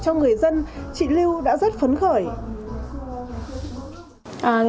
cho người dân chị lưu đã rất phấn khởi